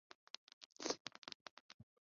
民国初废。